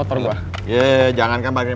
plunga duluan ya